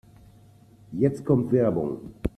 Jetzt kommt Werbung.